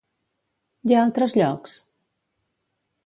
I a altres llocs?